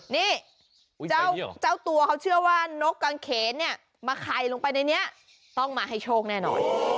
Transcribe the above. นี่เจ้าตัวเขาเชื่อว่านกกางเขนเนี่ยมาไข่ลงไปในนี้ต้องมาให้โชคแน่นอน